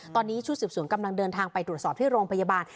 ตอนนี้ชุดสืบสวนกำลังเดินทางไปตรวจสอบที่โรงพยาบาล